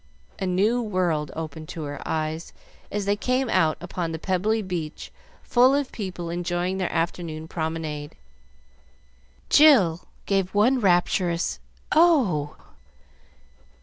A new world opened to her eyes as they came out upon the pebbly beach full of people enjoying their afternoon promenade. Jill save one rapturous "Oh!"